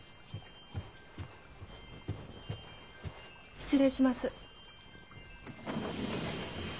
・失礼します。